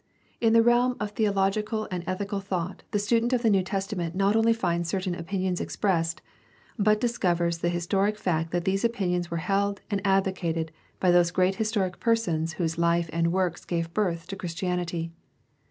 — In the realm of theological and ethical thought the student of the New Testament not only finds certain opinions expressed, but dis covers the historic fact that these opinions were held and ad vocated by those great historic persons whose hfe and works gave birth to Christianity.